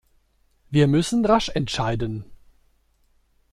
Wir müssen rasch entscheiden.